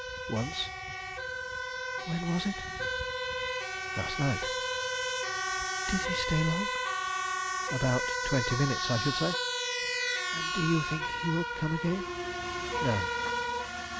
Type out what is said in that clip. "Once." "When was it?" "Last night." "Did he stay long?" "About twenty minutes, I should say." "And do you think he will come again?" "No."